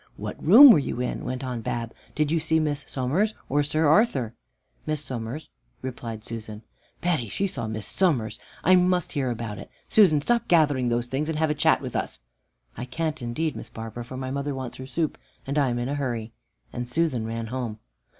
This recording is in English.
"What room were you in?" went on Bab. "Did you see Miss Somers or Sir Arthur?" "Miss Somers," replied Susan. "Betty, she saw Miss Somers! I must hear about it. Susan, stop gathering those things, and have a chat with us." "I can't indeed, Miss Barbara, for my mother wants her soup, and I am in a hurry." And Susan ran home.